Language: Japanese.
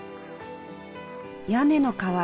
屋根の瓦。